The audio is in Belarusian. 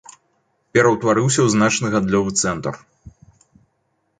Пераўтварыўся ў значны гандлёвы цэнтр.